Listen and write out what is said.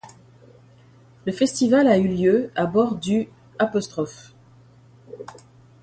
Le festival a eu lieu à bord du '.